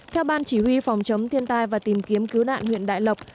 theo ban chỉ huy phòng chống thiên tai và tìm kiếm cứu nạn huyện đại lộc